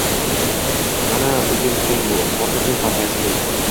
Mana uyim keng-mo`l, xotirjam va fayzli